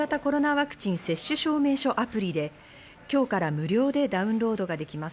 ワクチン接種証明書アプリで、今日から無料でダウンロードができます。